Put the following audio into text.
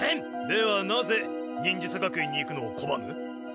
ではなぜ忍術学園に行くのをこばむ？